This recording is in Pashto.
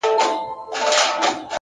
پوه انسان د حقیقت ارزښت درک کوي,